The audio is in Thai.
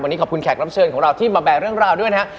วันนี้ขอบคุณแขกรับเชิญของเราที่มาแบกเรื่องราวด้วยนะฮะ